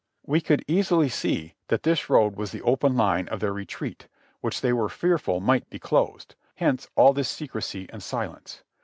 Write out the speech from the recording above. We could easily see that this road was the open line of their retreat, which they were fearful might be closed ; hence all this secrecy and silence.